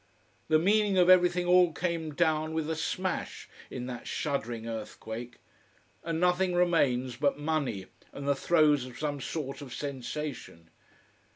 The meaning of everything all came down with a smash in that shuddering earthquake, and nothing remains but money and the throes of some sort of sensation.